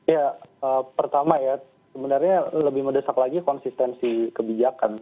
ya pertama ya sebenarnya lebih mendesak lagi konsistensi kebijakan